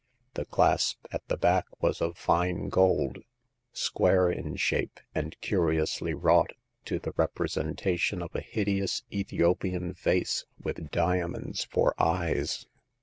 The clasp at the back was of fine gold, square in shape, and curiously wrought to the representation of a hideous Ethiopian face, with diamonds for eyes.